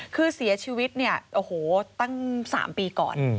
คือเสียชีวิตเนี่ยโอ้โหตั้ง๓ปีก่อน